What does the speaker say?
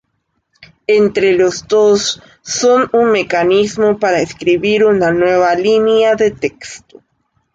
Entre los dos, son un mecanismo para escribir una nueva línea de texto.